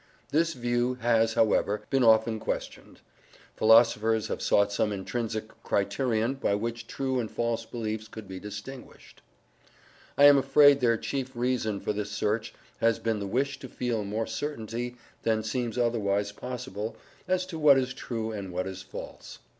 This view has, however, been often questioned. Philosophers have sought some intrinsic criterion by which true and false beliefs could be distinguished.* I am afraid their chief reason for this search has been the wish to feel more certainty than seems otherwise possible as to what is true and what is false.